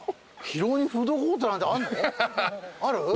広尾にフードコートなんてあるの？